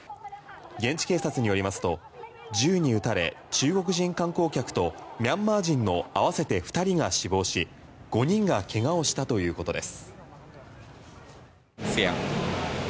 現地警察によりますと銃に撃たれ、中国人観光客とミャンマー人のあわせて２人が死亡し５人がけがをしたということです。